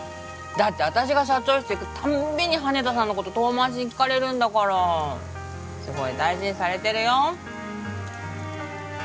だって私が社長室行くたんびに羽田さんのこと遠回しに聞かれるんだからすごい大事にされてるよ